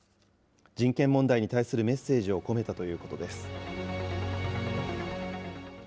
人権問題に対するメッセージを込めたということです。